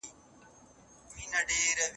زه غواړم چي د مطالعې په اړه مقاله ولیکم.